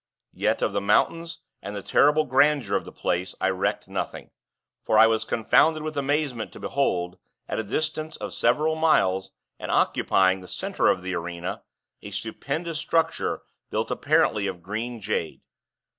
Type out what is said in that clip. Yet, of the mountains, and the terrible grandeur of the place, I recked nothing; for I was confounded with amazement to behold, at a distance of several miles and occupying the center of the arena, a stupendous structure built apparently of green jade.